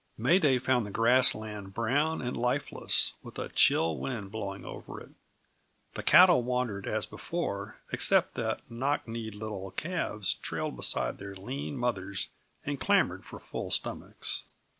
May Day found the grass land brown and lifeless, with a chill wind blowing over it. The cattle wandered as before except that knock kneed little calves trailed beside their lean mothers and clamored for full stomachs.